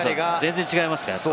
全然違いますね。